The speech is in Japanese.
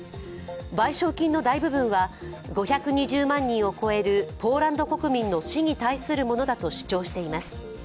賠償金の大部分は５２０万人を超えるポーランド国民の死に対するものだと主張しています。